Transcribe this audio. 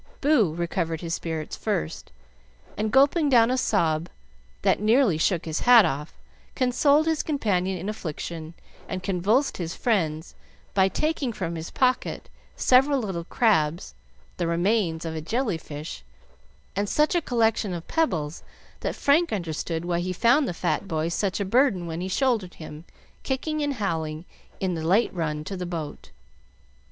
Boo recovered his spirits first, and gulping down a sob that nearly shook his hat off, consoled his companion in affliction and convulsed his friends by taking from his pocket several little crabs, the remains of a jelly fish, and such a collection of pebbles that Frank understood why he found the fat boy such a burden when he shouldered him, kicking and howling, in the late run to the boat.